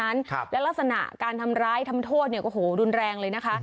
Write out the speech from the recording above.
ครับและลักษณะการทำร้ายทำโทษเนี่ยโอ้โหรุนแรงเลยนะคะ